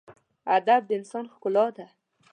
ادب د انسان ښکلا ده.